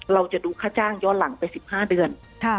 เราจะดูค่าจ้างย้อนหลังไป๑๕เดือน